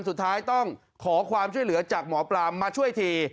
สุดท้ายต้องขอความช่วยเหลือจากหมอปลามาช่วยที